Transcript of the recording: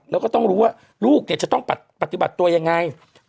แล้วก็ต้องรู้ว่าลูกเนี่ยจะต้องปฏิบัติตัวยังไง